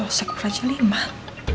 kita mau ke rumah kita mau